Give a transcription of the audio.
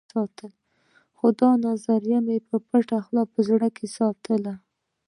خو دا نظريه مې په پټه خوله په زړه کې وساتله.